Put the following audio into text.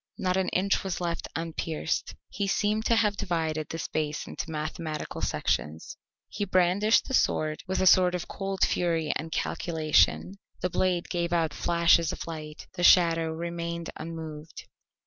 Not an inch was left unpierced. He seemed to have divided the space into mathematical sections. He brandished the sword with a sort of cold fury and calculation; the blade gave out flashes of light, the shadow remained unmoved.